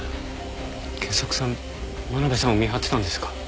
賢作さん真鍋さんを見張ってたんですか？